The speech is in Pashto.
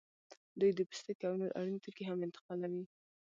دوی د پوستکي او نور اړین توکي هم انتقالوي